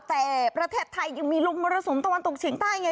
แต่ประเทศไทยยังมีลมมรสุมตะวันตกเฉียงใต้ไง